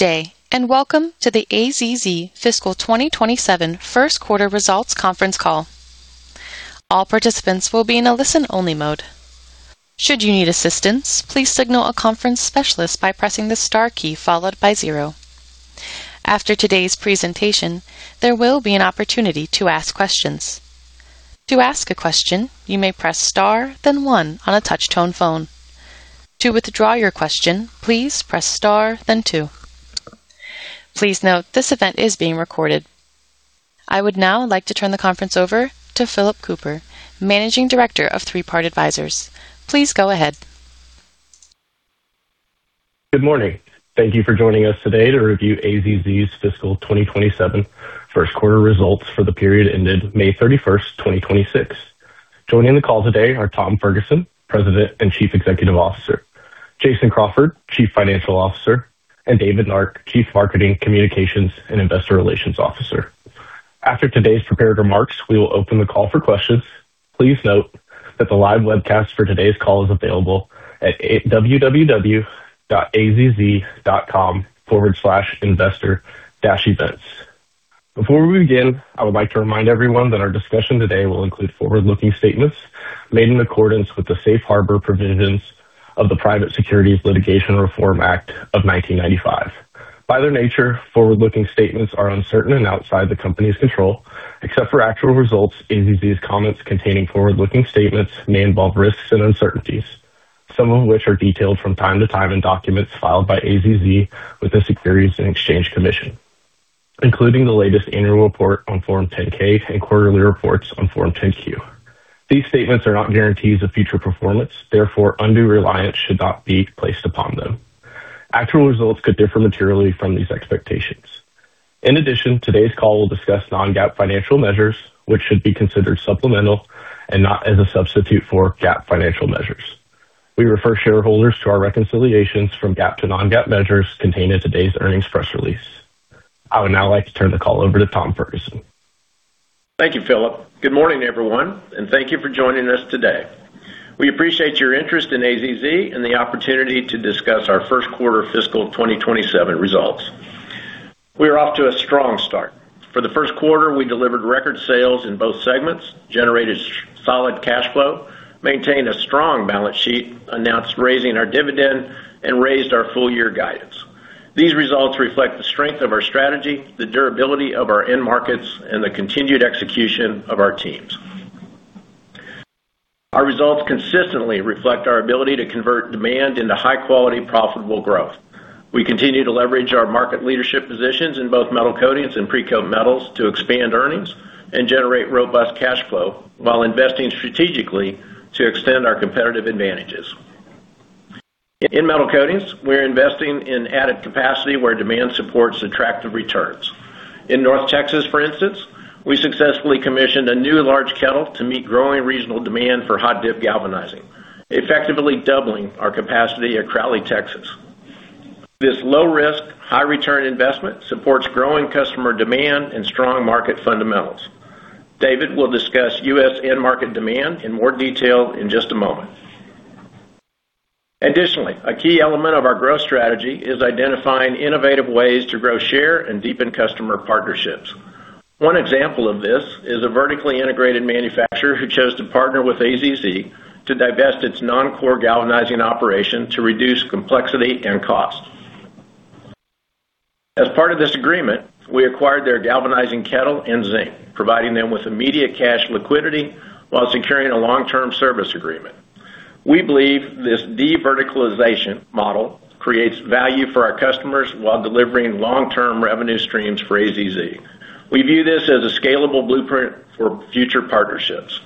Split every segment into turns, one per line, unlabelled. Good day, and welcome to the AZZ Fiscal 2027 first quarter results conference call. All participants will be in a listen-only mode. Should you need assistance, please signal a conference specialist by pressing the star key followed by zero. After today's presentation, there will be an opportunity to ask questions. To ask a question, you may press star then one on a touch-tone phone. To withdraw your question, please press star then two. Please note this event is being recorded. I would now like to turn the conference over to Philip Cooper, Managing Director of Three Part Advisors. Please go ahead.
Good morning. Thank you for joining us today to review AZZ's Fiscal 2027 first-quarter results for the period ended May 31st, 2026. Joining the call today are Tom Ferguson, President and Chief Executive Officer, Jason Crawford, Chief Financial Officer, and David Nark, Chief Marketing, Communications, and Investor Relations Officer. After today's prepared remarks, we will open the call for questions. Please note that the live webcast for today's call is available at www.azz.com/investor-events. Before we begin, I would like to remind everyone that our discussion today will include forward-looking statements made in accordance with the Safe Harbor provisions of the Private Securities Litigation Reform Act of 1995. By their nature, forward-looking statements are uncertain and outside the company's control, except for actual results, AZZ's comments containing forward-looking statements may involve risks and uncertainties, some of which are detailed from time-to-time in documents filed by AZZ with the Securities and Exchange Commission, including the latest annual report on Form 10-K and quarterly reports on Form 10-Q. These statements are not guarantees of future performance, therefore, undue reliance should not be placed upon them. Actual results could differ materially from these expectations. In addition, today's call will discuss non-GAAP financial measures, which should be considered supplemental and not as a substitute for GAAP financial measures. We refer shareholders to our reconciliations from GAAP to non-GAAP measures contained in today's earnings press release. I would now like to turn the call over to Tom Ferguson.
Thank you, Philip. Good morning, everyone, and thank you for joining us today. We appreciate your interest in AZZ and the opportunity to discuss our first quarter Fiscal 2027 results. We are off to a strong start. For the first quarter, we delivered record sales in both segments, generated solid cash flow, maintained a strong balance sheet, announced raising our dividend, and raised our full-year guidance. These results reflect the strength of our strategy, the durability of our end markets, and the continued execution of our teams. Our results consistently reflect our ability to convert demand into high-quality, profitable growth. We continue to leverage our market leadership positions in both Metal Coatings and Precoat Metals to expand earnings and generate robust cash flow while investing strategically to extend our competitive advantages. In Metal Coatings, we're investing in added capacity where demand supports attractive returns. In North Texas, for instance, we successfully commissioned a new large kettle to meet growing regional demand for hot-dip galvanizing, effectively doubling our capacity at Crowley, Texas. This low-risk, high-return investment supports growing customer demand and strong market fundamentals. David will discuss U.S. end market demand in more detail in just a moment. Additionally, a key element of our growth strategy is identifying innovative ways to grow, share, and deepen customer partnerships. One example of this is a vertically integrated manufacturer who chose to partner with AZZ to divest its non-core galvanizing operation to reduce complexity and cost. As part of this agreement, we acquired their galvanizing kettle and zinc, providing them with immediate cash liquidity while securing a long-term service agreement. We believe this de-verticalization model creates value for our customers while delivering long-term revenue streams for AZZ. We view this as a scalable blueprint for future partnerships.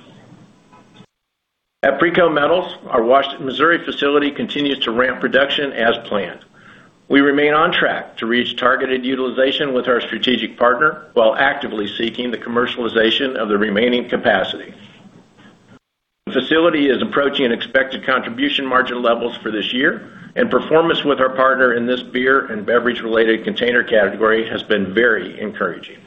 At Precoat Metals, our Washington, Missouri facility continues to ramp production as planned. We remain on track to reach targeted utilization with our strategic partner while actively seeking the commercialization of the remaining capacity. The facility is approaching expected contribution margin levels for this year, and performance with our partner in this beer and beverage-related container category has been very encouraging.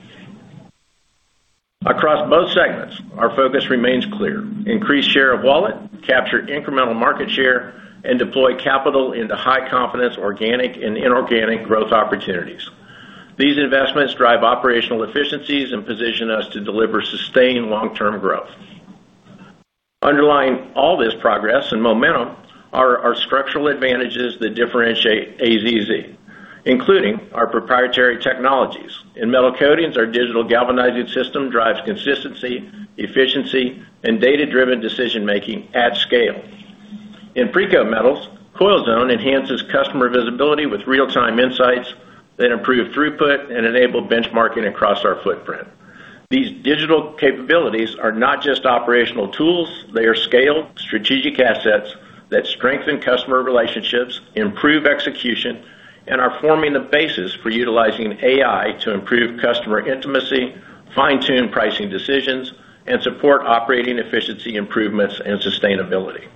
Across both segments, our focus remains clear. Increase share of wallet, capture incremental market share, and deploy capital into high-confidence organic and inorganic growth opportunities. These investments drive operational efficiencies and position us to deliver sustained long-term growth. Underlying all this progress and momentum are our structural advantages that differentiate AZZ, including our proprietary technologies. In Metal Coatings, our Digital Galvanizing System drives consistency, efficiency, and data-driven decision-making at scale. In Precoat Metals, CoilZone enhances customer visibility with real-time insights that improve throughput and enable benchmarking across our footprint. These digital capabilities are not just operational tools, they are scaled strategic assets that strengthen customer relationships, improve execution, and are forming the basis for utilizing AI to improve customer intimacy, fine-tune pricing decisions, and support operating efficiency improvements and sustainability.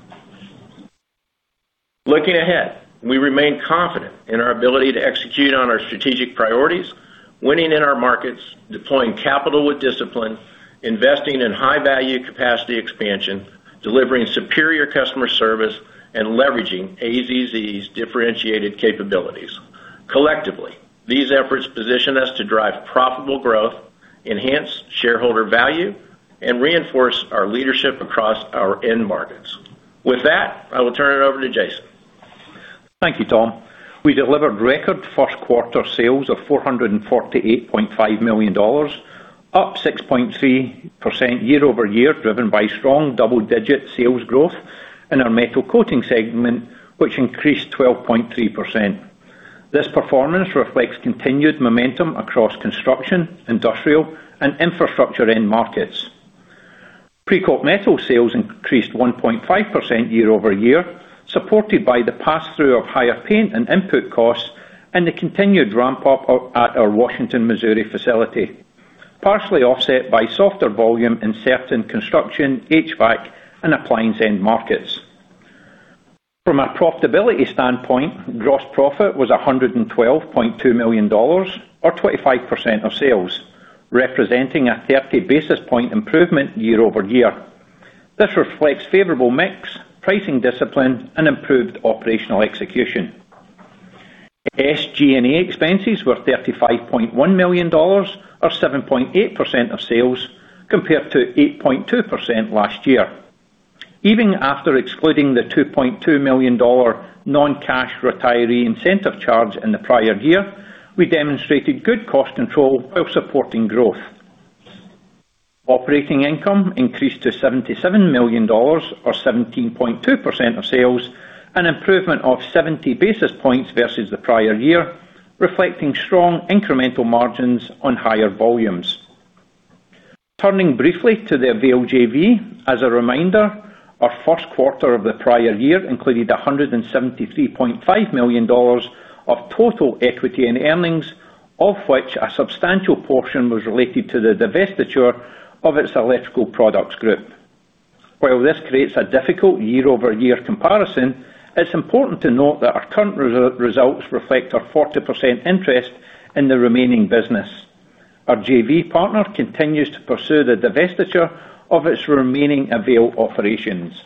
Looking ahead, we remain confident in our ability to execute on our strategic priorities Winning in our markets, deploying capital with discipline, investing in high-value capacity expansion, delivering superior customer service, and leveraging AZZ's differentiated capabilities. Collectively, these efforts position us to drive profitable growth, enhance shareholder value, and reinforce our leadership across our end markets. With that, I will turn it over to Jason.
Thank you, Tom. We delivered record first quarter sales of $448.5 million, up 6.3% year-over-year, driven by strong double-digit sales growth in our Metal Coatings segment, which increased 12.3%. This performance reflects continued momentum across construction, industrial, and infrastructure end markets. Precoat Metals sales increased 1.5% year-over-year, supported by the pass-through of higher paint and input costs and the continued ramp-up at our Washington, Missouri facility, partially offset by softer volume in certain construction, HVAC, and appliance end markets. From a profitability standpoint, gross profit was $112.2 million or 25% of sales, representing a 30 basis point improvement year-over-year. This reflects favorable mix, pricing discipline, and improved operational execution. SG&A expenses were $35.1 million or 7.8% of sales, compared to 8.2% last year. Even after excluding the $2.2 million non-cash retiree incentive charge in the prior year, we demonstrated good cost control while supporting growth. Operating income increased to $77 million or 17.2% of sales, an improvement of 70 basis points versus the prior year, reflecting strong incremental margins on higher volumes. Turning briefly to the AVAIL JV. As a reminder, our first quarter of the prior year included $173.5 million of total equity in earnings, of which a substantial portion was related to the divestiture of its Electrical Products Group. While this creates a difficult year-over-year comparison, it is important to note that our current results reflect our 40% interest in the remaining business. Our JV partner continues to pursue the divestiture of its remaining Avail operations.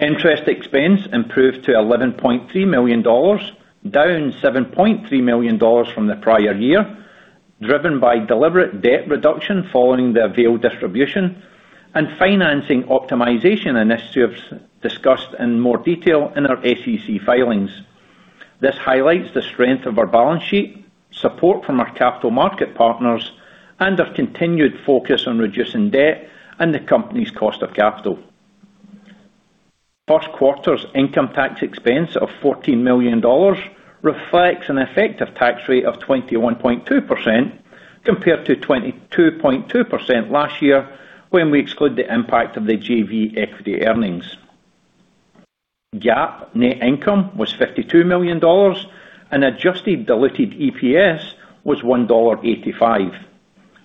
Interest expense improved to $11.3 million, down $7.3 million from the prior year, driven by deliberate debt reduction following the Avail distribution and financing optimization initiatives discussed in more detail in our SEC filings. This highlights the strength of our balance sheet, support from our capital market partners, our continued focus on reducing debt and the company's cost of capital. First quarter's income tax expense of $14 million reflects an effective tax rate of 21.2% compared to 22.2% last year when we exclude the impact of the JV equity earnings. GAAP net income was $52 million, and adjusted diluted EPS was $1.85,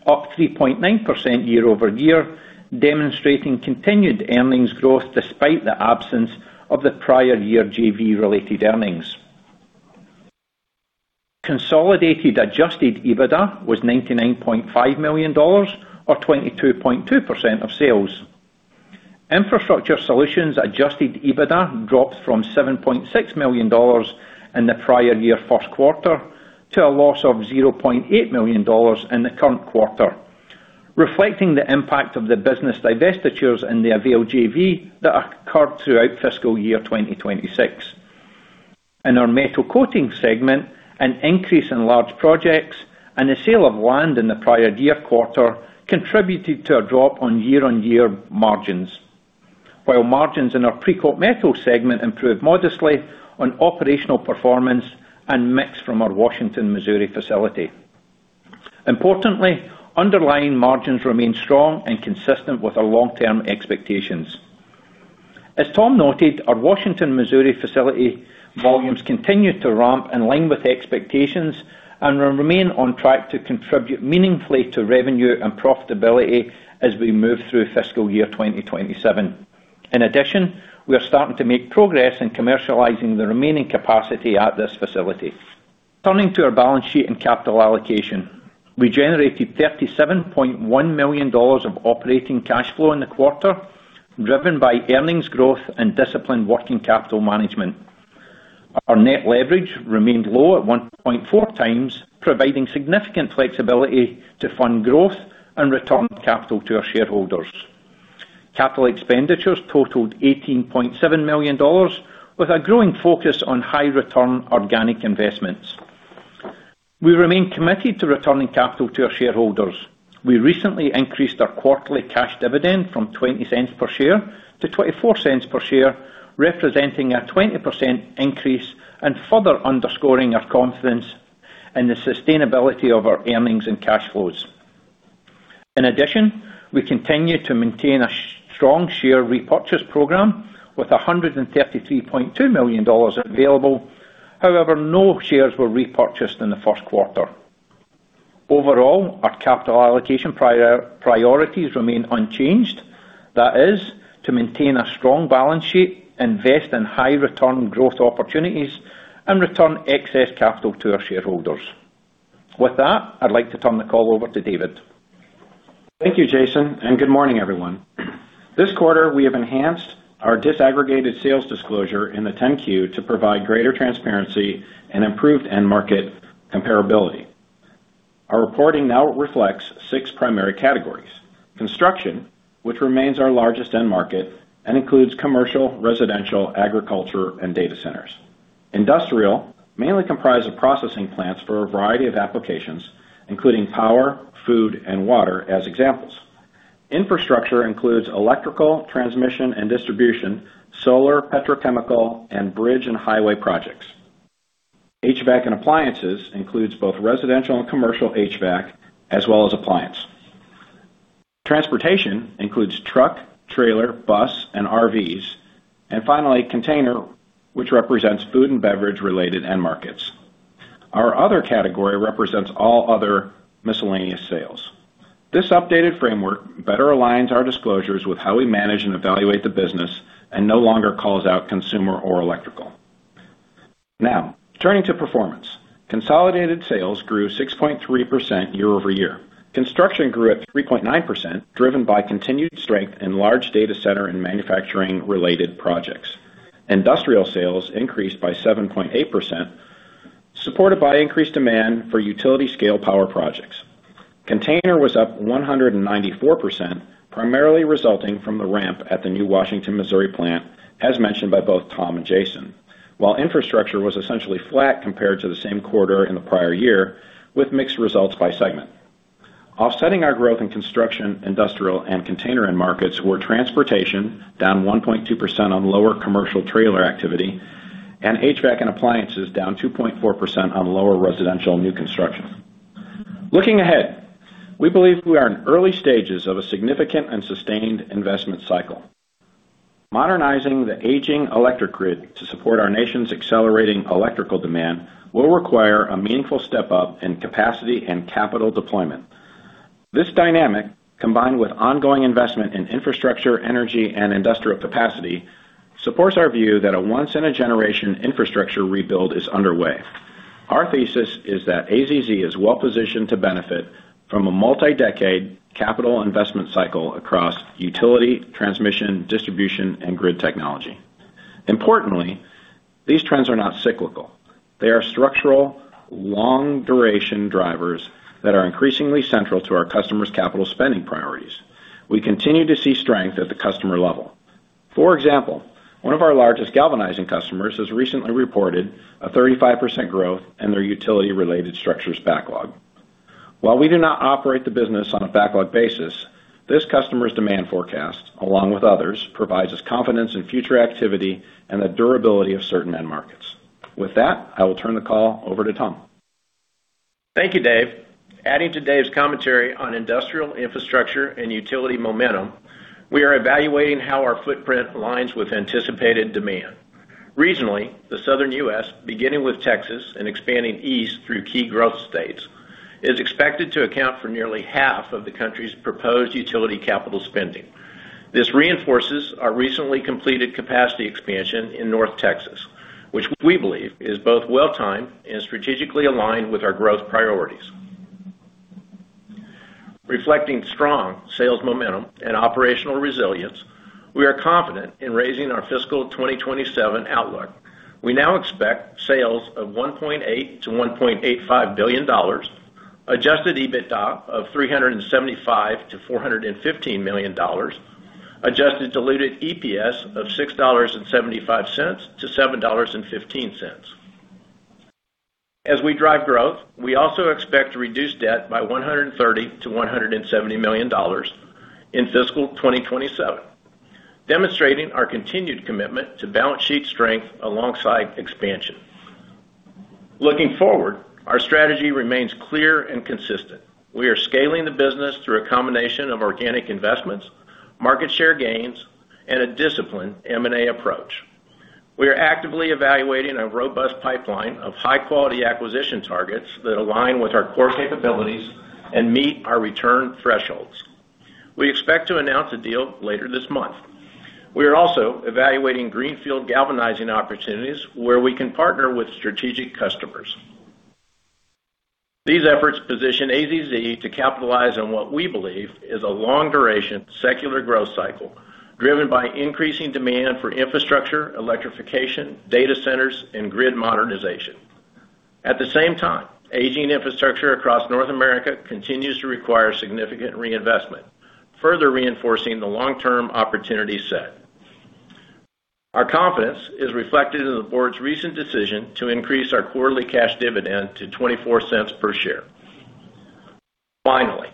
up 3.9% year-over-year, demonstrating continued earnings growth despite the absence of the prior year JV-related earnings. Consolidated adjusted EBITDA was $99.5 million or 22.2% of sales. Infrastructure Solutions' adjusted EBITDA dropped from $7.6 million in the prior year first quarter to a loss of $0.8 million in the current quarter, reflecting the impact of the business divestitures in the AVAIL JV that occurred throughout fiscal year 2026. In our Metal Coatings segment, an increase in large projects and the sale of land in the prior year quarter contributed to a drop on year-on-year margins. While margins in our Precoat Metals segment improved modestly on operational performance and mix from our Washington, Missouri facility. Importantly, underlying margins remain strong and consistent with our long-term expectations. As Tom noted, our Washington, Missouri facility volumes continue to ramp in-line with expectations and will remain on track to contribute meaningfully to revenue and profitability as we move through fiscal year 2027. In addition, we are starting to make progress in commercializing the remaining capacity at this facility. Turning to our balance sheet and capital allocation. We generated $37.1 million of operating cash flow in the quarter, driven by earnings growth and disciplined working capital management. Our net leverage remained low at 1.4x, providing significant flexibility to fund growth and return capital to our shareholders. Capital expenditures totaled $18.7 million, with a growing focus on high-return organic investments. We remain committed to returning capital to our shareholders. We recently increased our quarterly cash dividend from $0.20 per share to $0.24 per share, representing a 20% increase and further underscoring our confidence in the sustainability of our earnings and cash flows. In addition, we continue to maintain a strong share repurchase program with $133.2 million available. However, no shares were repurchased in the first quarter. Overall, our capital allocation priorities remain unchanged. That is to maintain a strong balance sheet, invest in high return growth opportunities, and return excess capital to our shareholders. With that, I'd like to turn the call over to David.
Thank you, Jason, and good morning, everyone. This quarter, we have enhanced our disaggregated sales disclosure in the 10-Q to provide greater transparency and improved end market comparability. Our reporting now reflects six primary categories. Construction, which remains our largest end market, and includes commercial, residential, agriculture, and data centers. Industrial, mainly comprised of processing plants for a variety of applications, including power, food, and water as examples. Infrastructure includes electrical, transmission and distribution, solar, petrochemical, and bridge and highway projects. HVAC and appliances includes both residential and commercial HVAC as well as appliance. Transportation includes truck, trailer, bus, and RVs, and finally, Container, which represents food and beverage related end markets. Our other category represents all other miscellaneous sales. This updated framework better aligns our disclosures with how we manage and evaluate the business and no longer calls out consumer or electrical. Turning to performance. Consolidated sales grew 6.3% year-over-year. Construction grew at 3.9%, driven by continued strength in large data center and manufacturing related projects. Industrial sales increased by 7.8%, supported by increased demand for utility scale power projects. Container was up 194%, primarily resulting from the ramp at the new Washington, Missouri plant, as mentioned by both Tom and Jason. While infrastructure was essentially flat compared to the same quarter in the prior year, with mixed results by segment. Offsetting our growth in Construction, Industrial, and Container end markets were Transportation, down 1.2% on lower commercial trailer activity, and HVAC and appliances down 2.4% on lower residential new construction. Looking ahead, we believe we are in early stages of a significant and sustained investment cycle. Modernizing the aging electric grid to support our nation's accelerating electrical demand will require a meaningful step up in capacity and capital deployment. This dynamic, combined with ongoing investment in infrastructure, energy, and industrial capacity, supports our view that a once in a generation infrastructure rebuild is underway. Our thesis is that AZZ is well positioned to benefit from a multi-decade capital investment cycle across utility, transmission, distribution, and grid technology. Importantly, these trends are not cyclical. They are structural, long duration drivers that are increasingly central to our customers' capital spending priorities. We continue to see strength at the customer level. For example, one of our largest galvanizing customers has recently reported a 35% growth in their utility related structures backlog. While we do not operate the business on a backlog basis, this customer's demand forecast, along with others, provides us confidence in future activity and the durability of certain end markets. With that, I will turn the call over to Tom.
Thank you, Dave. Adding to Dave's commentary on industrial infrastructure and utility momentum, we are evaluating how our footprint aligns with anticipated demand. Regionally, the Southern U.S., beginning with Texas and expanding east through key growth states, is expected to account for nearly half of the country's proposed utility capital spending. This reinforces our recently completed capacity expansion in North Texas, which we believe is both well-timed and strategically aligned with our growth priorities. Reflecting strong sales momentum and operational resilience, we are confident in raising our fiscal 2027 outlook. We now expect sales of $1.8 billion-$1.85 billion, adjusted EBITDA of $375 million-$415 million, adjusted diluted EPS of $6.75-$7.15. As we drive growth, we also expect to reduce debt by $130 million-$170 million in fiscal 2027, demonstrating our continued commitment to balance sheet strength alongside expansion. Looking forward, our strategy remains clear and consistent. We are scaling the business through a combination of organic investments, market share gains, and a disciplined M&A approach. We are actively evaluating a robust pipeline of high-quality acquisition targets that align with our core capabilities and meet our return thresholds. We expect to announce a deal later this month. We are also evaluating greenfield galvanizing opportunities where we can partner with strategic customers. These efforts position AZZ to capitalize on what we believe is a long-duration, secular growth cycle driven by increasing demand for infrastructure, electrification, data centers, and grid modernization. At the same time, aging infrastructure across North America continues to require significant reinvestment, further reinforcing the long-term opportunity set. Our confidence is reflected in the board's recent decision to increase our quarterly cash dividend to $0.24 per share. Finally,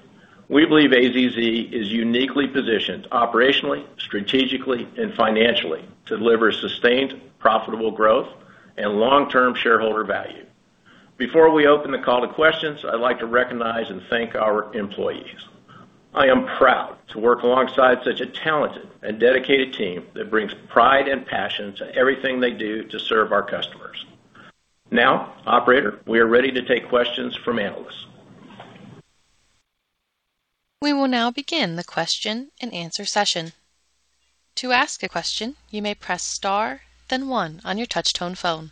we believe AZZ is uniquely positioned operationally, strategically, and financially to deliver sustained, profitable growth and long-term shareholder value. Before we open the call to questions, I would like to recognize and thank our employees. I am proud to work alongside such a talented and dedicated team that brings pride and passion to everything they do to serve our customers. Operator, we are ready to take questions from analysts.
We will now begin the question-and-answer session. To ask a question, you may press star then one on your touch-tone phone.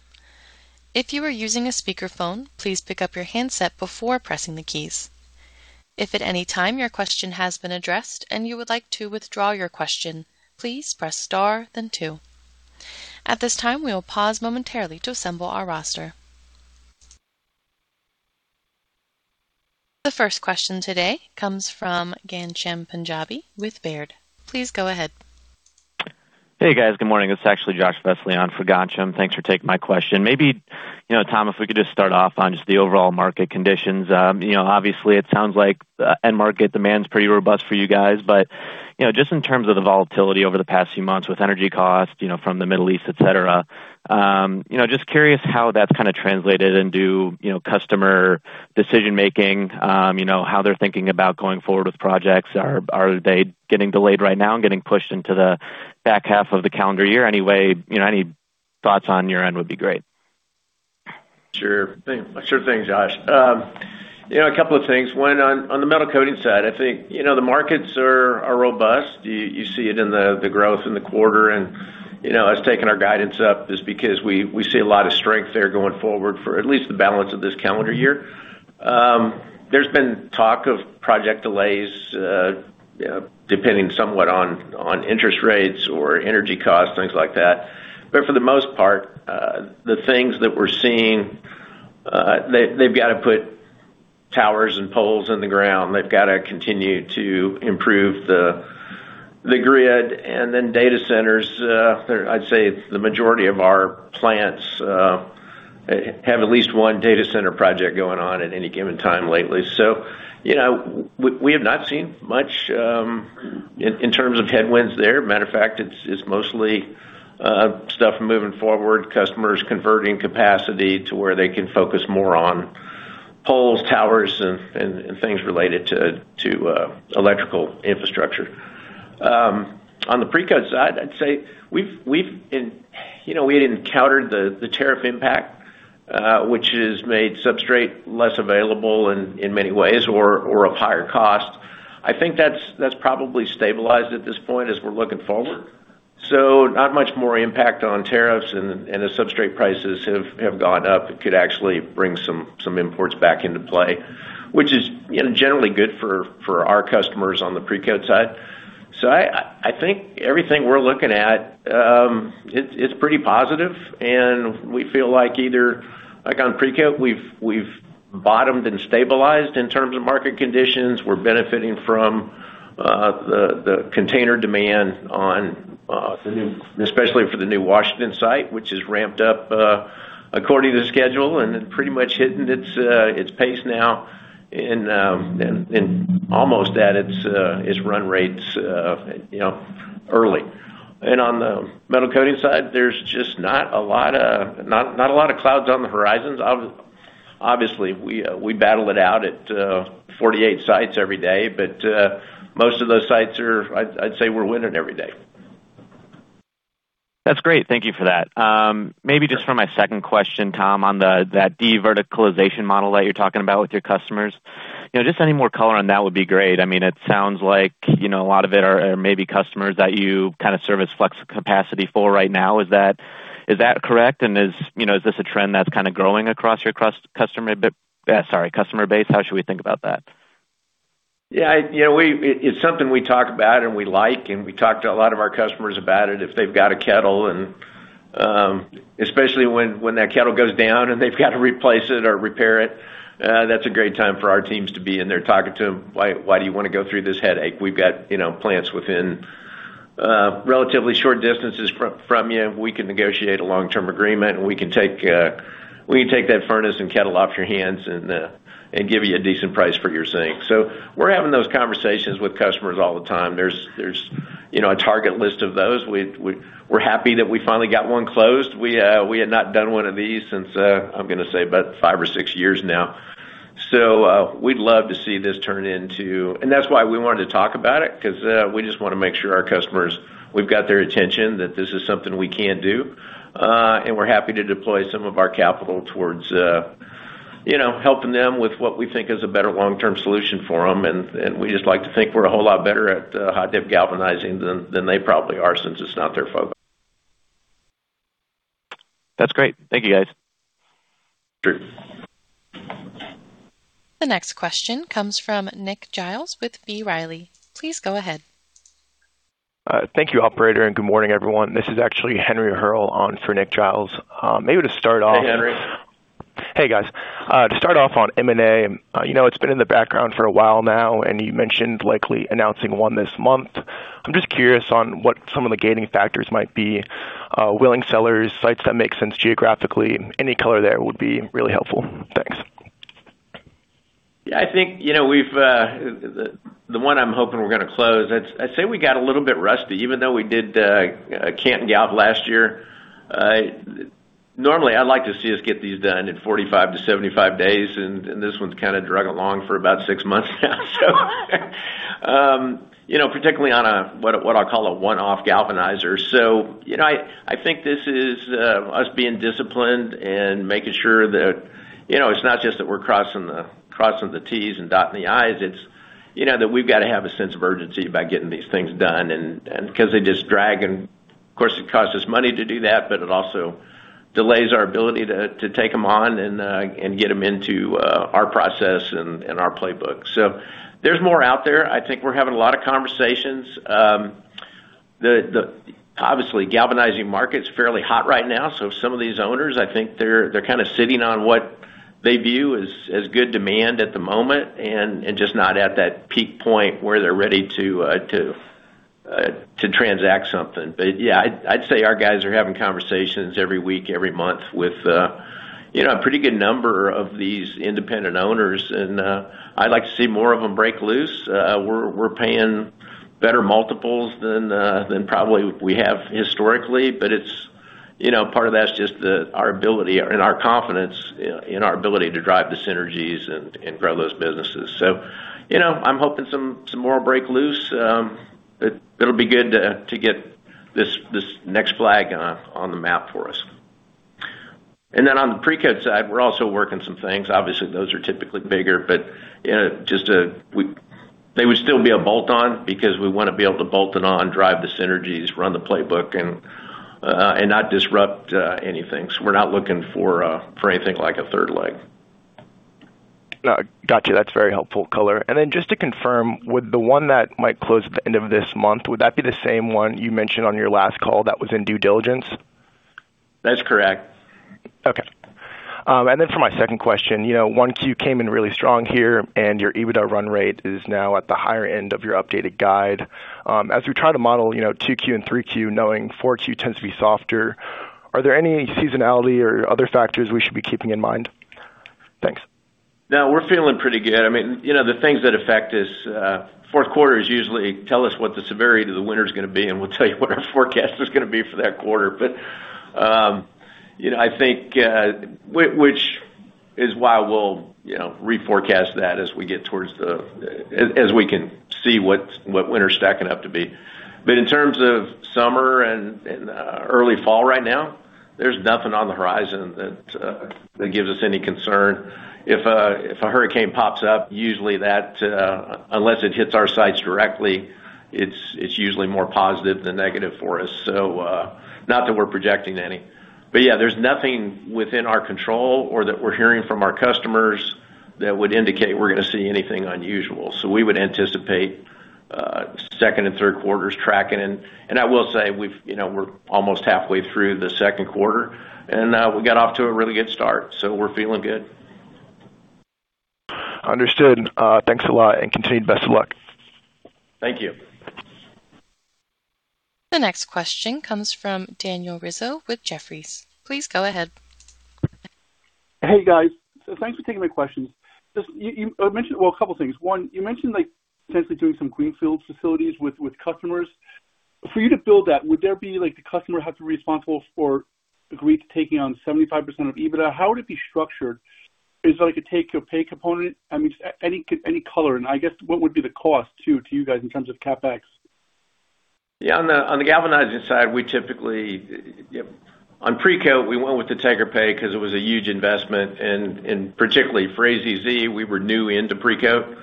If you are using a speakerphone, please pick up your handset before pressing the keys. If at any time your question has been addressed and you would like to withdraw your question, please press star then two. At this time, we will pause momentarily to assemble our roster. The first question today comes from Ghansham Panjabi with Baird. Please go ahead.
Hey, guys. Good morning. It's actually Josh Vesely on for Ghansham. Thanks for taking my question. Maybe, Tom, if we could just start off on just the overall market conditions. Obviously, it sounds like end market demand's pretty robust for you guys, but just in terms of the volatility over the past few months with energy costs from the Middle East, et cetera, just curious how that's kind of translated into customer decision-making, how they're thinking about going forward with projects. Are they getting delayed right now and getting pushed into the back half of the calendar year anyway? Any thoughts on your end would be great.
Sure thing, Josh. A couple of things. One, on the Metal Coatings side, I think, the markets are robust. You see it in the growth in the quarter, and us taking our guidance up is because we see a lot of strength there going forward for at least the balance of this calendar year. There's been talk of project delays, depending somewhat on interest rates or energy costs, things like that. For the most part, the things that we're seeing, they've got to put towers and poles in the ground. They've got to continue to improve the grid, and then data centers. I'd say the majority of our plants have at least one data center project going on at any given time lately. We have not seen much in terms of headwinds there. Matter of fact, it's mostly stuff moving forward, customers converting capacity to where they can focus more on poles, towers, and things related to electrical infrastructure. On the Precoat side, I'd say we had encountered the tariff impact, which has made substrate less available in many ways or of higher cost. I think that's probably stabilized at this point as we're looking forward. Not much more impact on tariffs, and as substrate prices have gone up, it could actually bring some imports back into play, which is generally good for our customers on the Precoat side. I think everything we're looking at, it's pretty positive, and we feel like on Precoat, we've bottomed and stabilized in terms of market conditions. We're benefiting from the container demand, especially for the new Washington site, which is ramped-up according to schedule and pretty much hitting its pace now and almost at its run-rates early. On the Metal Coatings side, there's just not a lot of clouds on the horizons. Obviously, we battle it out at 48 sites every day, but most of those sites are, I'd say, we're winning every day.
That's great. Thank you for that. Just for my second question, Tom, on that de-verticalization model that you're talking about with your customers. Just any more color on that would be great. It sounds like a lot of it are maybe customers that you kind of serve as flex capacity for right now. Is that correct? Is this a trend that's kind of growing across your customer base? How should we think about that?
Yeah. It's something we talk about and we like. We talk to a lot of our customers about it if they've got a kettle. Especially when that kettle goes down and they've got to replace it or repair it, that's a great time for our teams to be in there talking to them. Why do you want to go through this headache? We've got plants within relatively short distances from you. We can negotiate a long-term agreement. We can take that furnace and kettle off your hands and give you a decent price for your zinc. We're having those conversations with customers all the time. There's a target list of those. We're happy that we finally got one closed. We had not done one of these since, I'm gonna say about five or six years now. We'd love to see this turn into. That's why we wanted to talk about it, because we just want to make sure our customers, we've got their attention, that this is something we can do. We're happy to deploy some of our capital towards helping them with what we think is a better long-term solution for them. We just like to think we're a whole lot better at hot-dip galvanizing than they probably are, since it's not their focus.
That's great. Thank you, guys.
Sure.
The next question comes from Nick Giles with B. Riley. Please go ahead.
Thank you, operator. Good morning, everyone. This is actually Henry Hurrell on for Nick Giles.
Hey, Henry.
Hey, guys. To start off on M&A, it's been in the background for a while now. You mentioned likely announcing one this month. I'm just curious on what some of the gating factors might be. Willing sellers, sites that make sense geographically. Any color there would be really helpful. Thanks.
I think the one I'm hoping we're gonna close, I'd say we got a little bit rusty, even though we did Canton Galv last year. Normally, I'd like to see us get these done in 45-75 days, and this one's kind of drug along for about six months now. Particularly on a, what I'll call a one-off galvanizer. I think this is us being disciplined and making sure that it's not just that we're crossing the Ts and dotting the Is, it's that we've got to have a sense of urgency about getting these things done and because they just drag and of course it costs us money to do that, but it also delays our ability to take them on and get them into our process and our playbook. There's more out there. I think we're having a lot of conversations. Obviously, galvanizing market's fairly hot right now. Some of these owners, I think they're kind of sitting on what they view as good demand at the moment and just not at that peak point where they're ready to transact something. Yeah, I'd say our guys are having conversations every week, every month with a pretty good number of these independent owners, and I'd like to see more of them break loose. We're paying better multiples than probably we have historically, but part of that's just our ability and our confidence in our ability to drive the synergies and grow those businesses. I'm hoping some more will break loose. It'll be good to get this next flag on the map for us. Then on the Precoat side, we're also working some things. Obviously, those are typically bigger, but they would still be a bolt-on because we want to be able to bolt it on, drive the synergies, run the playbook, and not disrupt anything. We're not looking for anything like a third leg.
Got you. That's very helpful color. Then just to confirm, would the one that might close at the end of this month, would that be the same one you mentioned on your last call that was in due diligence?
That's correct.
Okay. For my second question, 1Q came in really strong here, and your EBITDA run-rate is now at the higher end of your updated guide. As we try to model 2Q and 3Q, knowing 4Q tends to be softer, are there any seasonality or other factors we should be keeping in mind? Thanks.
No, we're feeling pretty good. The things that affect us, fourth quarter usually tell us what the severity of the winter's gonna be, and we'll tell you what our forecast is gonna be for that quarter. I think, which is why we'll re-forecast that as we can see what winter's stacking up to be. In terms of summer and early fall right now, there's nothing on the horizon that gives us any concern. If a hurricane pops up, usually that, unless it hits our sites directly, it's usually more positive than negative for us. Not that we're projecting any. Yeah, there's nothing within our control or that we're hearing from our customers that would indicate we're gonna see anything unusual. We would anticipate second and third quarters tracking. I will say, we're almost halfway through the second quarter, and we got off to a really good start, we're feeling good.
Understood. Thanks a lot, continued best of luck.
Thank you.
The next question comes from Daniel Rizzo with Jefferies. Please go ahead.
Hey, guys. Thanks for taking my questions. Just you mentioned, well, a couple of things. One, you mentioned like potentially doing some greenfield facilities with customers. For you to build that, would there be like the customer has to be responsible for agreed to taking on 75% of EBITDA? How would it be structured? Is that like a take-or-pay component? I mean, any color, I guess what would be the cost too to you guys in terms of CapEx?
On the galvanizing side, we typically. On Precoat, we went with the take-or-pay because it was a huge investment, and particularly for AZZ, we were new into Precoat,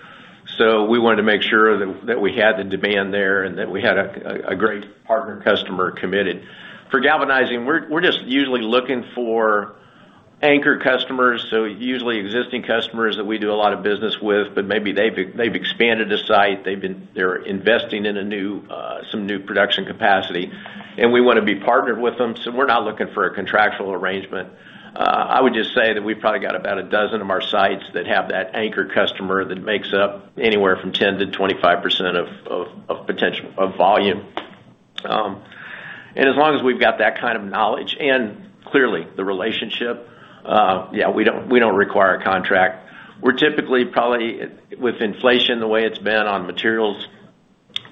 so we wanted to make sure that we had the demand there and that we had a great partner customer committed. For galvanizing, we're just usually looking for anchor customers, usually existing customers that we do a lot of business with, but maybe they've expanded a site. They're investing in some new production capacity, and we want to be partnered with them. We're not looking for a contractual arrangement. I would just say that we've probably got about a dozen of our sites that have that anchor customer that makes up anywhere from 10%-25% of potential of volume. As long as we've got that kind of knowledge and clearly the relationship, we don't require a contract. We're typically, probably with inflation, the way it's been on materials,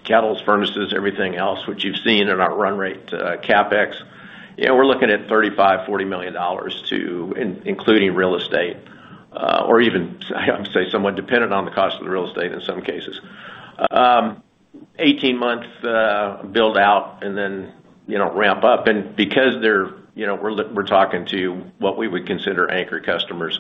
kettles, furnaces, everything else, which you've seen in our run-rate, CapEx. We're looking at $35 million-$40 million, including real estate, or even, I would say somewhat dependent on the cost of the real estate in some cases. 18 months, build out and then ramp-up. Because we're talking to what we would consider anchor customers,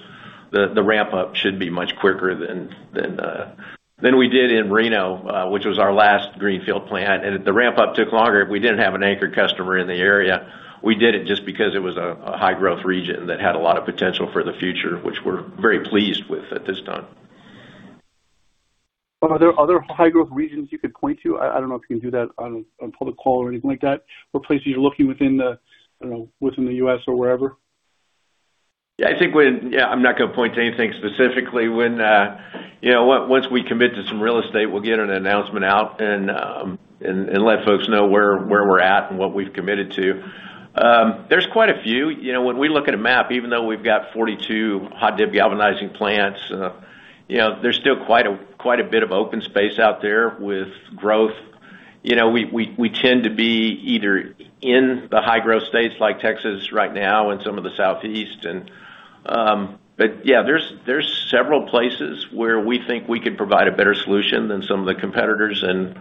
the ramp-up should be much quicker than we did in Reno, which was our last greenfield plant. The ramp-up took longer. If we didn't have an anchor customer in the area, we did it just because it was a high-growth region that had a lot of potential for the future, which we're very pleased with at this time.
Are there other high-growth regions you could point to? I don't know if you can do that on public call or anything like that, or places you're looking within the U.S. or wherever.
I think when I'm not gonna point to anything specifically. Once we commit to some real estate, we'll get an announcement out and let folks know where we're at and what we've committed to. There's quite a few. When we look at a map, even though we've got 42 hot-dip galvanizing plants, there's still quite a bit of open space out there with growth. We tend to be either in the high-growth states like Texas right now and some of the Southeast. Yeah, there's several places where we think we could provide a better solution than some of the competitors and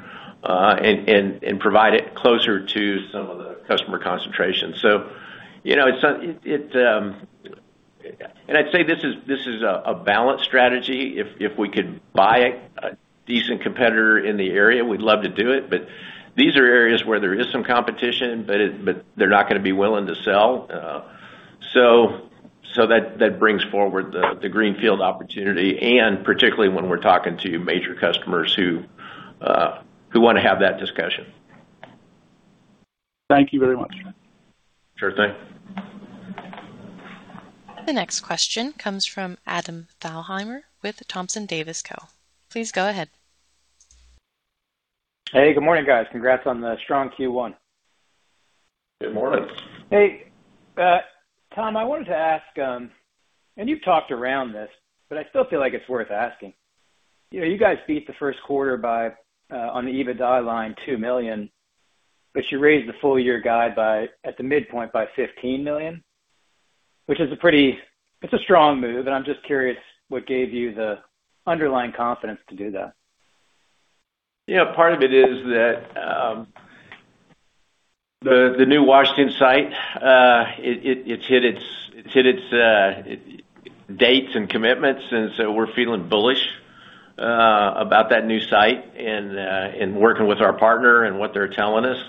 provide it closer to some of the customer concentrations. I'd say this is a balanced strategy. If we could buy a decent competitor in the area, we'd love to do it, but these are areas where there is some competition, but they're not going to be willing to sell. That brings forward the greenfield opportunity, and particularly when we're talking to major customers who want to have that discussion.
Thank you very much.
Sure thing.
The next question comes from Adam Thalhimer with Thompson Davis Co. Please go ahead.
Hey, good morning, guys. Congrats on the strong Q1.
Good morning.
Hey. Tom, I wanted to ask, and you've talked around this, but I still feel like it's worth asking. You guys beat the first quarter by, on the EBITDA line, $2 million, but you raised the full-year guide by, at the midpoint, by $15 million, which is a pretty strong move, and I'm just curious what gave you the underlying confidence to do that.
Part of it is that the new Washington site, it's hit its dates and commitments. We're feeling bullish about that new site and working with our partner and what they're telling us.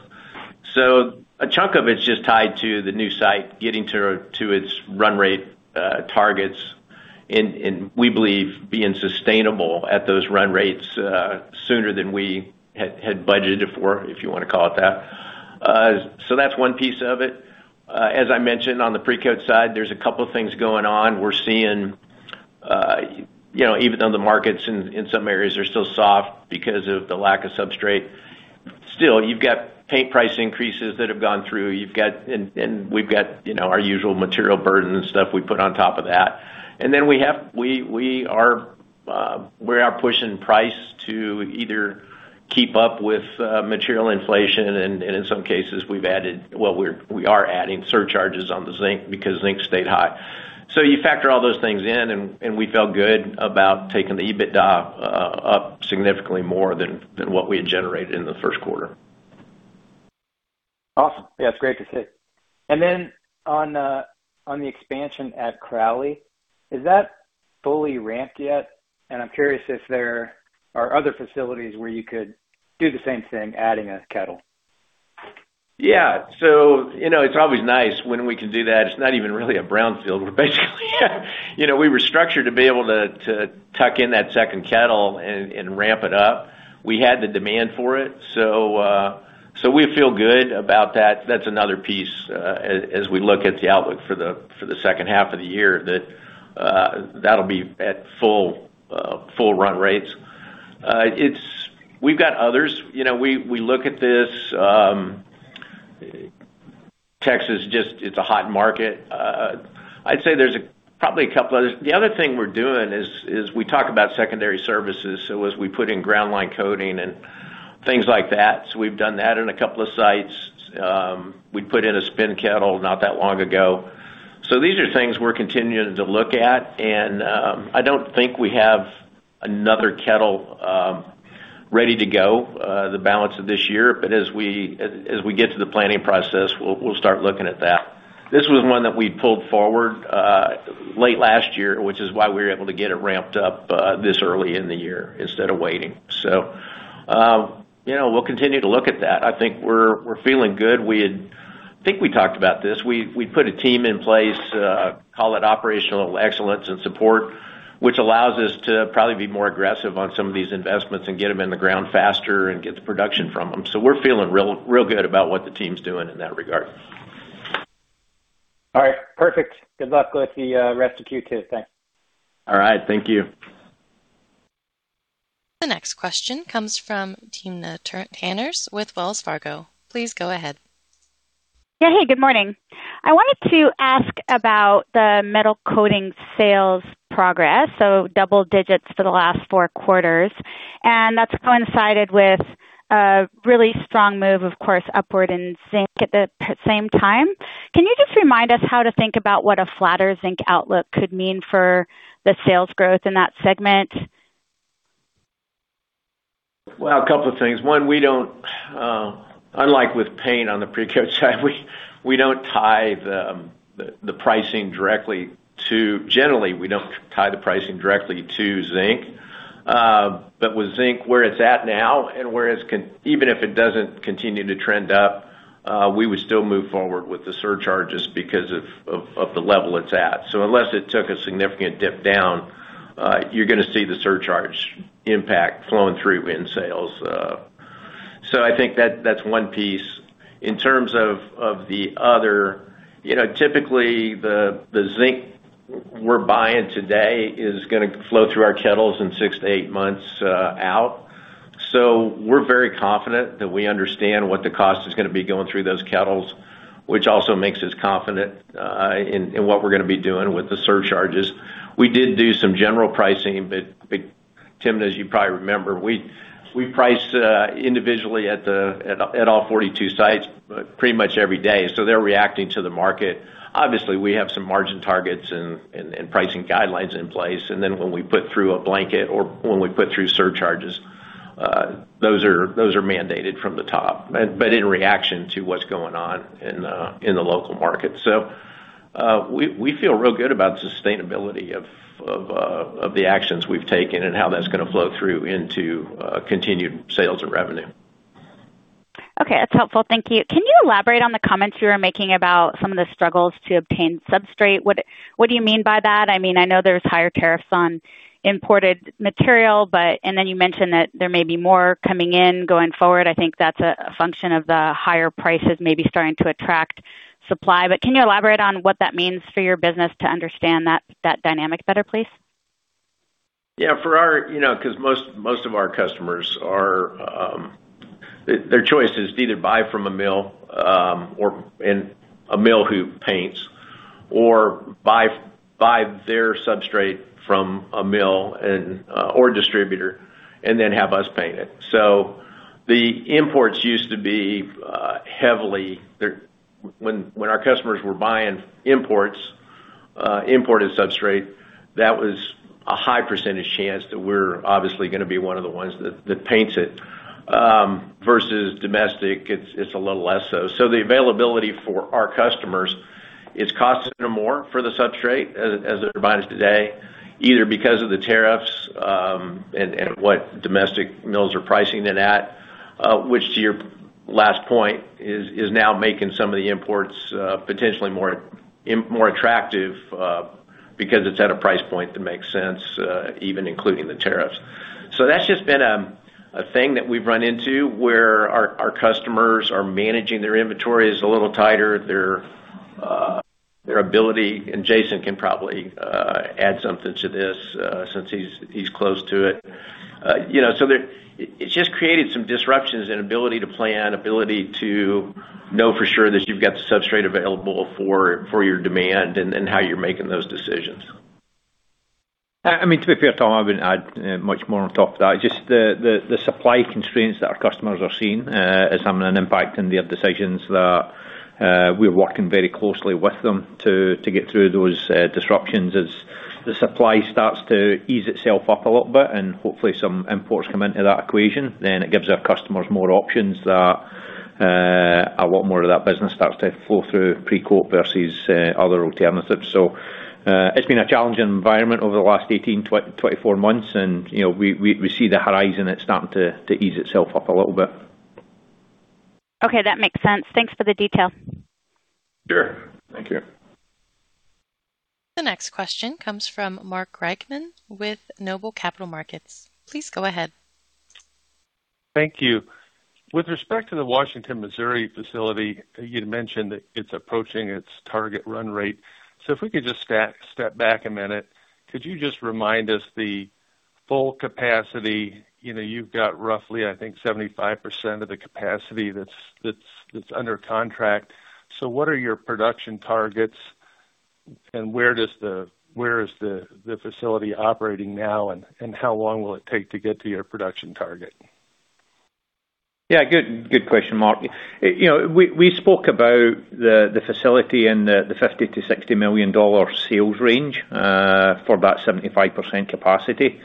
A chunk of it's just tied to the new site getting to its run-rate targets, and we believe being sustainable at those run-rates sooner than we had budgeted for, if you want to call it that. That's one piece of it. As I mentioned on the Precoat side, there are two things going on. We're seeing, even though the markets in some areas are still soft because of the lack of substrate, still you've got paint price increases that have gone through, and we've got our usual material burden and stuff we put on top of that. We are pushing price to either keep up with material inflation, and in some cases, we are adding surcharges on the zinc because zinc stayed high. You factor all those things in, and we felt good about taking the EBITDA up significantly more than what we had generated in the first quarter.
Awesome. Yeah, that's great to see. On the expansion at Crowley, is that fully ramped yet? I'm curious if there are other facilities where you could do the same thing, adding a kettle.
Yeah. It's always nice when we can do that. It's not even really a brownfield, basically. We were structured to be able to tuck in that second kettle and ramp it up. We had the demand for it. We feel good about that. That's another piece, as we look at the outlook for the second half of the year, that that'll be at full run-rates. We've got others. We look at this. Texas, it's a hot market. I'd say there's probably two others. The other thing we're doing is we talk about secondary services, as we put in ground line coating and things like that. We've done that in two sites. We put in a spin kettle not that long ago. These are things we're continuing to look at, I don't think we have another kettle ready to go the balance of this year. As we get to the planning process, we'll start looking at that. This was one that we pulled forward late last year, which is why we were able to get it ramped-up this early in the year instead of waiting. We'll continue to look at that. I think we're feeling good. I think we talked about this. We put a team in place, call it operational excellence and support, which allows us to probably be more aggressive on some of these investments and get them in the ground faster and get the production from them. We're feeling real good about what the team's doing in that regard.
All right. Perfect. Good luck with the rest of Q2. Thanks.
All right. Thank you.
The next question comes from Timna Tanners with Wells Fargo. Please go ahead.
Yeah. Hey, good morning. I wanted to ask about the Metal Coatings sales progress, so double-digits for the last four quarters, and that's coincided with a really strong move, of course, upward in zinc at the same time. Can you just remind us how to think about what a flatter zinc outlook could mean for the sales growth in that segment?
Well, a couple of things. One, unlike with paint on the Precoat side, generally we don't tie the pricing directly to zinc. With zinc, where it's at now, and even if it doesn't continue to trend up, we would still move forward with the surcharges because of the level it's at. Unless it took a significant dip down, you're going to see the surcharge impact flowing through in sales. I think that's one piece. In terms of the other, typically the zinc we're buying today is going to flow through our kettles in six to eight months out. We're very confident that we understand what the cost is going to be going through those kettles. Which also makes us confident in what we're going to be doing with the surcharges. We did do some general pricing, Timna, as you probably remember, we price individually at all 42 sites, but pretty much every day. They're reacting to the market. Obviously, we have some margin targets and pricing guidelines in place. When we put through a blanket or when we put through surcharges, those are mandated from the top, but in reaction to what's going on in the local market. We feel real good about the sustainability of the actions we've taken and how that's going to flow through into continued sales and revenue.
Okay, that's helpful. Thank you. Can you elaborate on the comments you were making about some of the struggles to obtain substrate? What do you mean by that? I know there's higher tariffs on imported material, you mentioned that there may be more coming in, going forward. I think that's a function of the higher prices maybe starting to attract supply. Can you elaborate on what that means for your business to understand that dynamic better, please?
Because most of our customers, their choice is to either buy from a mill who paints or buy their substrate from a mill or distributor and then have us paint it. The imports used to be When our customers were buying imports, imported substrate, that was a high percentage chance that we're obviously going to be one of the ones that paints it. Versus domestic, it's a little less so. The availability for our customers is costing them more for the substrate as they're buying it today, either because of the tariffs, and what domestic mills are pricing it at, which to your last point, is now making some of the imports potentially more attractive, because it's at a price point that makes sense, even including the tariffs. That's just been a thing that we've run into where our customers are managing their inventories a little tighter, their ability, and Jason can probably add something to this since he's close to it. It's just created some disruptions in ability to plan, ability to know for sure that you've got the substrate available for your demand and how you're making those decisions.
To be fair, Tom, I wouldn't add much more on top of that. Just the supply constraints that our customers are seeing is having an impact on their decisions that we're working very closely with them to get through those disruptions. As the supply starts to ease itself up a little bit and hopefully some imports come into that equation, then it gives our customers more options that a lot more of that business starts to flow through Precoat versus other alternatives. It's been a challenging environment over the last 18-24 months, and we see the horizon. It's starting to ease itself up a little bit.
That makes sense. Thanks for the detail.
Sure. Thank you.
The next question comes from Mark Reichman with Noble Capital Markets. Please go ahead.
Thank you. With respect to the Washington, Missouri facility, you'd mentioned that it's approaching its target run-rate. If we could just step back a minute, could you just remind us the full capacity? You've got roughly, I think, 75% of the capacity that's under contract. What are your production targets and where is the facility operating now, and how long will it take to get to your production target?
Yeah. Good question, Mark. We spoke about the facility in the $50 million-$60 million sales range for that 75% capacity.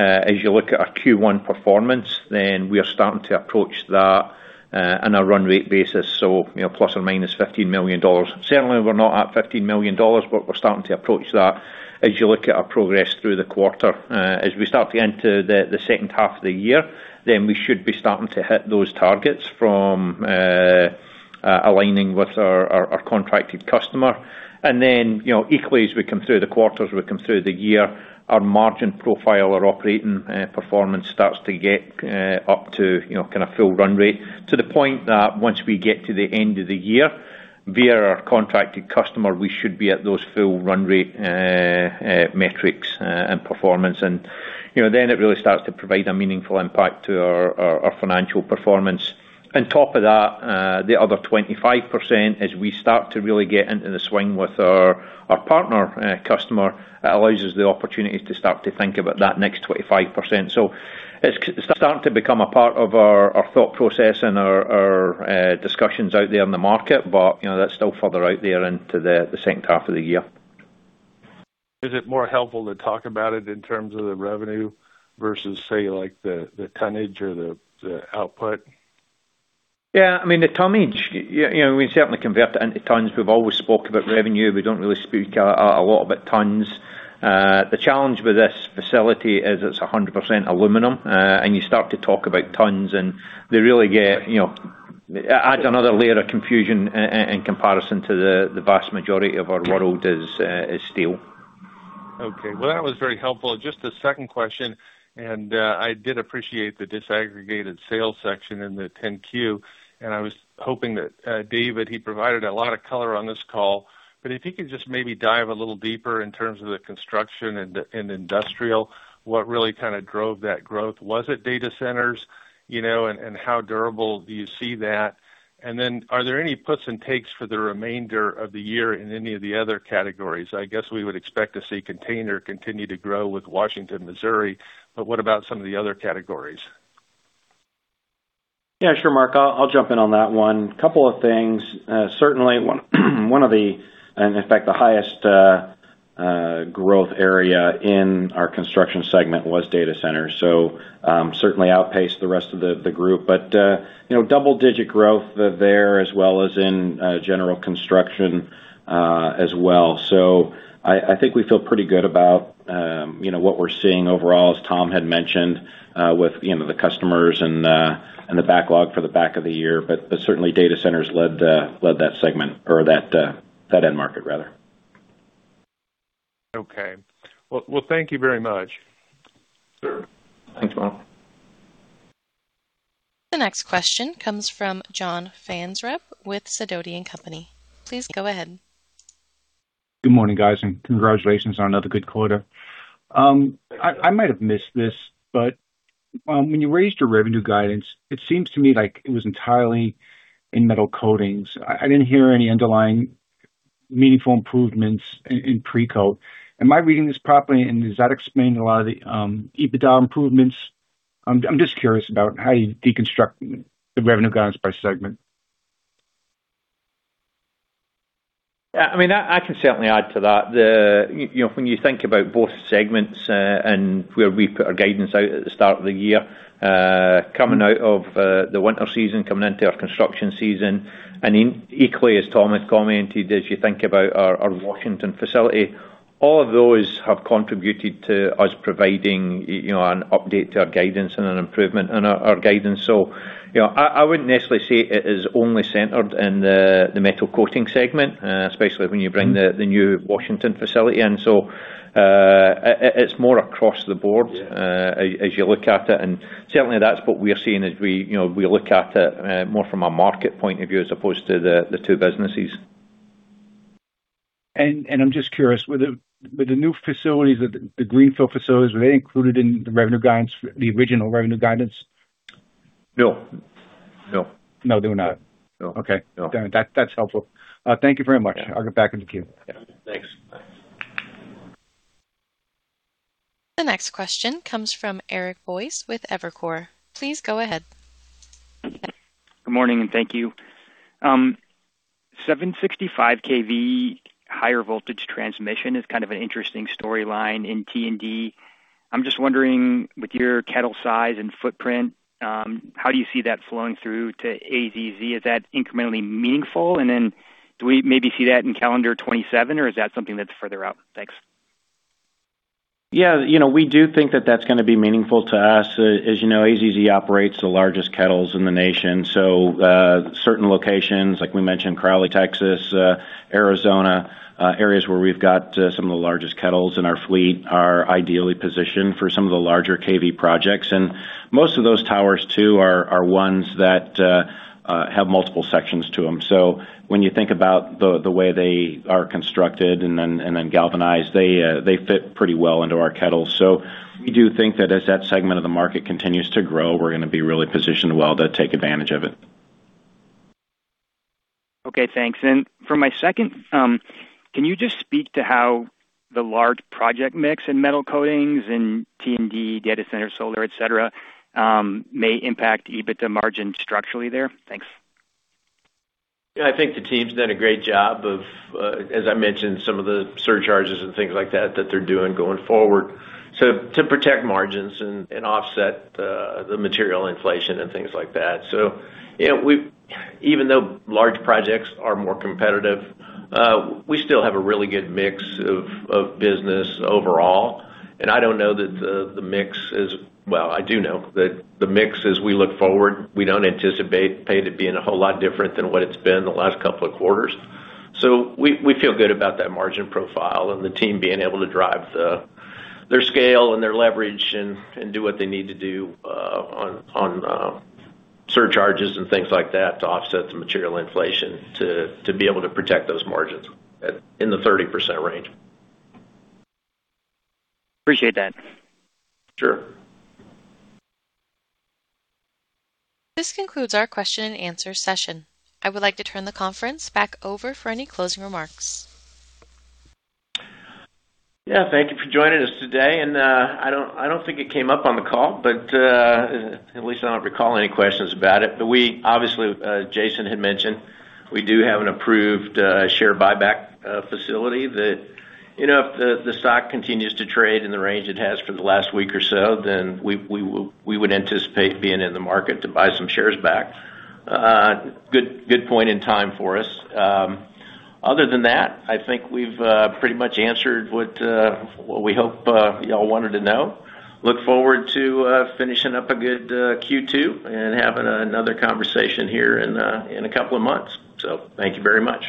As you look at our Q1 performance, we are starting to approach that on a run-rate basis, so ±$15 million. Certainly, we're not at $15 million, we're starting to approach that as you look at our progress through the quarter. As we start to get into the second half of the year, we should be starting to hit those targets from aligning with our contracted customer. Equally as we come through the quarters, we come through the year, our margin profile, our operating performance starts to get up to kind of full run-rate. To the point that once we get to the end of the year, via our contracted customer, we should be at those full run-rate metrics and performance. Then it really starts to provide a meaningful impact to our financial performance. On top of that, the other 25%, as we start to really get into the swing with our partner customer, allows us the opportunity to start to think about that next 25%. It's starting to become a part of our thought process and our discussions out there in the market, but that's still further out there into the second half of the year.
Is it more helpful to talk about it in terms of the revenue versus, say, like the tonnage or the output?
Yeah. The tonnage. We certainly convert it into tons. We've always spoke about revenue. We don't really speak a lot about tons. The challenge with this facility is it's 100% aluminum, and you start to talk about tons, and they really add another layer of confusion in comparison to the vast majority of our world is steel.
Okay. Well, that was very helpful. Just a second question, I did appreciate the disaggregated sales section in the 10-Q, and I was hoping that David, he provided a lot of color on this call, but if he could just maybe dive a little deeper in terms of the construction and industrial, what really kind of drove that growth. Was it data centers? How durable do you see that? Are there any puts and takes for the remainder of the year in any of the other categories? I guess we would expect to see container continue to grow with Washington, Missouri, but what about some of the other categories?
Sure, Mark. I'll jump in on that one. Couple of things. Certainly, one of the and in fact, the highest growth area in our construction segment was data centers. Certainly outpaced the rest of the group. Double-digit growth there as well as in general construction as well. I think we feel pretty good about what we're seeing overall, as Tom had mentioned, with the customers and the backlog for the back of the year. Certainly data centers led that segment or that end market, rather.
Okay. Well, thank you very much.
Sure. Thanks, Mark.
The next question comes from John Franzreb with Sidoti & Company. Please go ahead.
Good morning, guys, and congratulations on another good quarter. I might have missed this, but when you raised your revenue guidance, it seems to me like it was entirely in Metal Coatings. I didn't hear any underlying meaningful improvements in Precoat. Am I reading this properly, and does that explain a lot of the EBITDA improvements? I'm just curious about how you deconstruct the revenue guidance by segment.
I can certainly add to that. When you think about both segments and where we put our guidance out at the start of the year, coming out of the winter season, coming into our construction season, and equally, as Tom has commented, as you think about our Washington facility, all of those have contributed to us providing an update to our guidance and an improvement in our guidance. I wouldn't necessarily say it is only centered in the Metal Coatings segment, especially when you bring the new Washington facility in. It's more across the board.
Yeah
It is as you look at it. Certainly, that's what we are seeing as we look at it more from a market point of view as opposed to the two businesses.
I'm just curious. With the new facilities, the greenfield facilities, were they included in the revenue guidance, the original revenue guidance?
No.
No, they were not.
No.
Okay.
No.
That's helpful. Thank you very much. I'll get back in the queue.
Yeah. Thanks. Bye.
The next question comes from Eric Boyes with Evercore. Please go ahead.
Good morning, and thank you. 765 kV higher voltage transmission is kind of an interesting storyline in T&D. I'm just wondering, with your kettle size and footprint, how do you see that flowing through to AZZ? Is that incrementally meaningful? Do we maybe see that in calendar 2027, or is that something that's further out? Thanks.
Yeah. We do think that that's going to be meaningful to us. As you know, AZZ operates the largest kettles in the nation. Certain locations, like we mentioned Crowley, Texas, Arizona, areas where we've got some of the largest kettles in our fleet are ideally positioned for some of the larger kV projects. Most of those towers, too, are ones that have multiple sections to them. When you think about the way they are constructed and then galvanized, they fit pretty well into our kettle. We do think that as that segment of the market continues to grow, we're going to be really positioned well to take advantage of it.
Okay, thanks. For my second, can you just speak to how the large project mix in Metal Coatings and T&D data center, solar, et cetera, may impact EBITDA margin structurally there? Thanks.
Yeah. I think the team's done a great job of, as I mentioned, some of the surcharges and things like that they're doing going forward. To protect margins and offset the material inflation and things like that. Even though large projects are more competitive, we still have a really good mix of business overall. I do know that the mix as we look forward, we don't anticipate it being a whole lot different than what it's been the last couple of quarters. We feel good about that margin profile and the team being able to drive their scale and their leverage and do what they need to do on surcharges and things like that to offset the material inflation to be able to protect those margins in the 30% range.
Appreciate that.
Sure.
This concludes our question-and-answer session. I would like to turn the conference back over for any closing remarks.
Thank you for joining us today. I don't think it came up on the call, but at least I don't recall any questions about it. We obviously, Jason had mentioned, we do have an approved share buyback facility that if the stock continues to trade in the range it has for the last week or so, we would anticipate being in the market to buy some shares back. Good point in time for us. Other than that, I think we've pretty much answered what we hope you all wanted to know. Look forward to finishing up a good Q2 and having another conversation here in a couple of months. Thank you very much.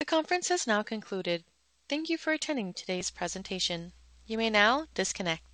The conference has now concluded. Thank you for attending today's presentation. You may now disconnect.